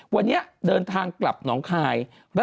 วันนี้เดินทางกลับหนองคาย